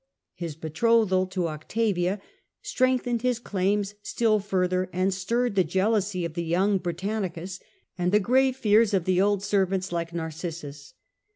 His betrothal to Octavia strengthened his claims still further, and stirred the jealousy of the young Britannicus and the grave fears of the old servants like Narcissus.